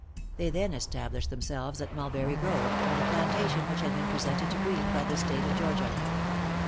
They then established themselves at Mulberry Grove, on a plantation which had been presented to Greene by the State of Georgia.